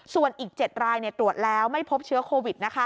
ส่วนอีก๗รายตรวจแล้วไม่พบเชื้อโควิด